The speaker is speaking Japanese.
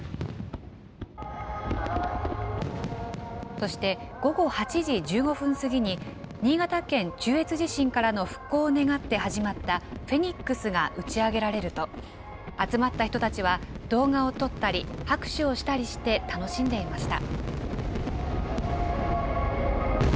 そして、午後８時１５分過ぎに新潟県中越地震からの復興を願って始まったフェニックスが打ち上げられると、集まった人たちは、動画を撮ったり、拍手をしたりして楽しんでいました。